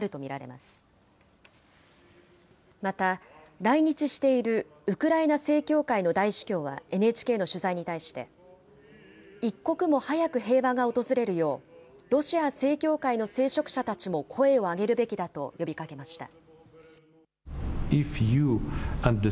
また、来日しているウクライナ正教会の大主教はＮＨＫの取材に対して、一刻も早く平和が訪れるよう、ロシア正教会の聖職者たちも声を上げるべきだと呼びかけました。